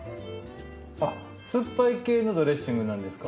あっ酸っぱい系のドレッシングなんですか？